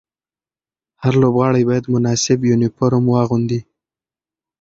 هر لوبغاړی باید مناسب یونیفورم واغوندي.